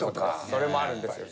それもあるんですよ。